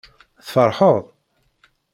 Tfeṛḥeḍ?